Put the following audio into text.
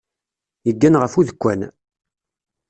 Yeggan ɣef udekkan.